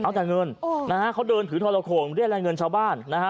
เอาแต่เงินนะฮะเขาเดินถือทรโขงเรียกรายเงินชาวบ้านนะฮะ